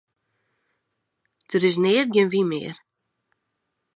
Der is neat gjin wyn mear.